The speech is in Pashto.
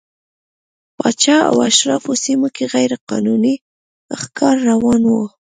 د پاچا او اشرافو سیمو کې غیر قانوني ښکار روان و.